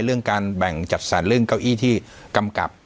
เรื่องการแบ่งจัดสรรเรื่องเก้าอี้ที่กำกับ